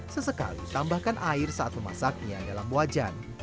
sesekali tambahkan air saat memasaknya dalam wajan